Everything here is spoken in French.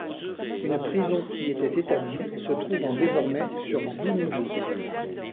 Une prison y était établie, se trouvant désormais sur Dhoonidhoo.